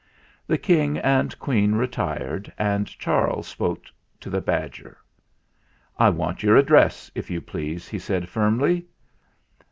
The King and Queen retired, and Charles spoke to the badger. "I want your address, if you please," he said firmly.